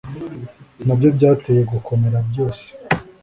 nabyo byanteye gukomera byose